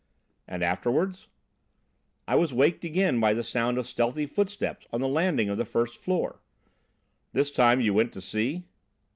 "And afterwards?" "I was waked again by the sound of stealthy footsteps on the landing of the first floor." "This time you went to see?"